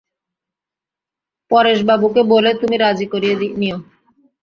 পরেশবাবুকে বলে তুমি রাজি করিয়ে নিয়ো।